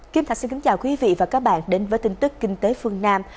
kim thạch xin kính chào quý vị và các bạn đến với tin tức kinh tế phương nam